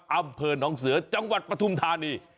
อำเภณ้องเสริฐจังหวัดปภุมธานี